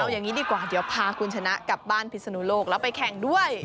เอาอย่างนี้ดีกว่าเดี๋ยวพาคุณชนะกลับบ้านพิศนุโลกแล้วไปแข่งด้วย